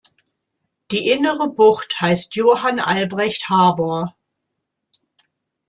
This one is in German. Die innere Bucht heißt "Johann Albrecht Harbour".